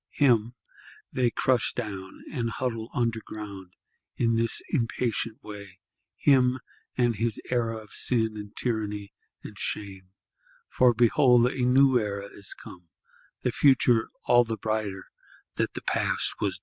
Him they crush down, and huddle under ground, in this impatient way; him and his era of sin and tyranny and shame; for behold a New Era is come; the future all the brighter that the past was base.